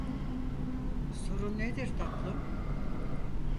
Sorun nedir, tatlım?